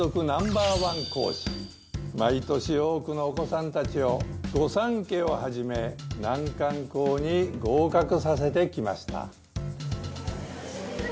毎年多くのお子さんたちをご三家をはじめ難関校に合格させて来ました。